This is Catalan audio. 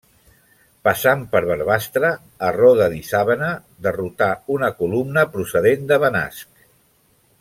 Passant per Barbastre, a Roda d'Isàvena derrotà una columna procedent de Benasc.